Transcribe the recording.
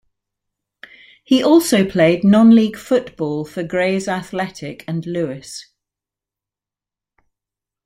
He also played non-League football for Grays Athletic and Lewes.